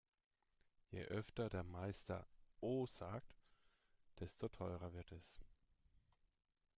Je öfter der Meister "oh" sagt, desto teurer wird es.